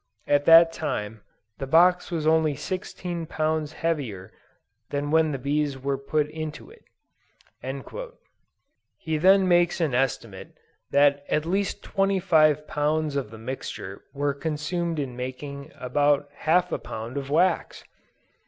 At that time, the box was only 16 pounds heavier than when the bees were put into it." He then makes an estimate that at least 25 pounds of the mixture were consumed in making about half a pound of wax!!